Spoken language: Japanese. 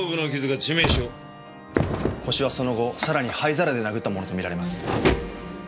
犯人はその後更に灰皿で殴ったものと見られます。